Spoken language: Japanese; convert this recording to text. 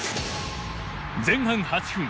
前半８分。